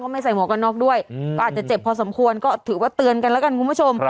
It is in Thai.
ไม่ใส่หมวกกันน็อกด้วยก็อาจจะเจ็บพอสมควรก็ถือว่าเตือนกันแล้วกันคุณผู้ชม